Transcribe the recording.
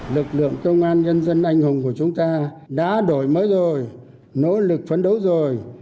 lực lượng công an nhân dân anh hùng của chúng ta đã đổi mới rồi nỗ lực phấn đấu rồi